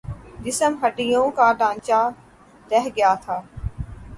جسم ہڈیوں کا ڈھانچا رہ گیا تھا